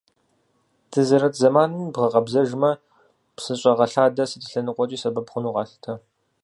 Дызэрыт зэманми бгъэкъэбзэжмэ, псыщӏэгъэлъадэ сыт и лъэныкъуэкӏэ сэбэп хъуну къалъытэ.